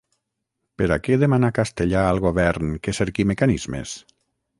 Per a què demana Castellà al govern que cerqui mecanismes?